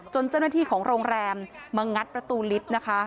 เจ้าหน้าที่ของโรงแรมมางัดประตูลิฟต์นะคะ